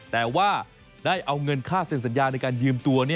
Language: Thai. แต่ว่าได้เอาเงินค่าเซ็นสัญญาในการยืมตัว